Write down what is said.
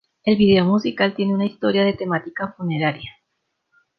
El video musical tiene una historia de temática funeraria.